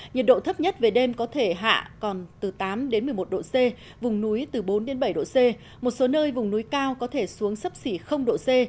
nhiệt độ thấp nhất về đêm có thể hạ còn từ tám đến một mươi một độ c vùng núi từ bốn bảy độ c một số nơi vùng núi cao có thể xuống sấp xỉ độ c